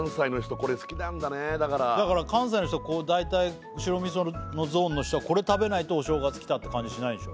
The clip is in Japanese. これ好きなんだねだからだから関西の人は大体白味噌のゾーンの人はこれ食べないとお正月来たって感じしないんでしょ？